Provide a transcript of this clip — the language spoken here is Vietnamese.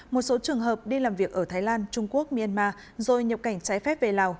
một số trường hợp đi làm việc ở thái lan trung quốc myanmar rồi nhập cảnh trái phép về lào